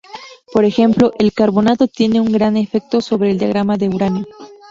Por ejemplo, el carbonato tiene un gran efecto sobre el diagrama de uranio.